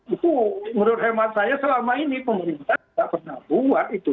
itu menurut hemat saya selama ini pemerintah tidak pernah buat itu